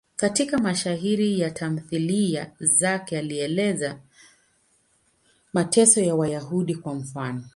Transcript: Katika mashairi na tamthiliya zake alieleza mateso ya Wayahudi, kwa mfano.